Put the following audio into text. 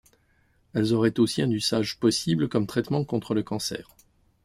Elles auraient aussi un usage possible comme traitement contre le cancer.